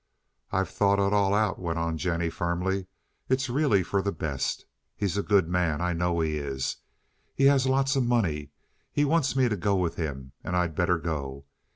"I've thought it all out," went on Jennie, firmly. "It's really for the best. He's a good man. I know he is. He has lots of money. He wants me to go with him, and I'd better go.